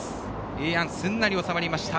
エエヤン、すんなり収まりました。